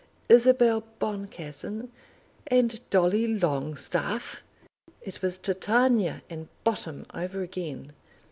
Isabel Boncassen and Dolly Longstaff! It was Titania and Bottom over again.